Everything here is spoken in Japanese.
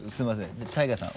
じゃあＴＡＩＧＡさん